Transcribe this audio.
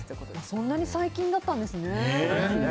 そんなに最近だったんですね。